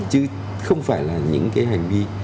chứ không phải là những cái hành vi